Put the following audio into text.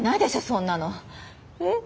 そんなの。えっ？